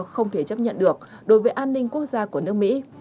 không thể chấp nhận được đối với an ninh quốc gia của nước mỹ